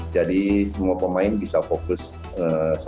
jadi semua pemain bisa fokus sama proses pembuat adegan aja